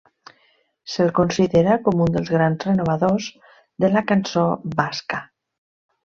Se'l considera com un dels grans renovadors de la cançó basca.